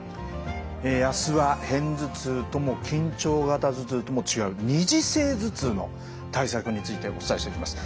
え明日は片頭痛とも緊張型頭痛とも違う二次性頭痛の対策についてお伝えしていきます。